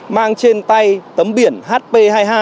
mang trên tay tấm biển hp hai mươi hai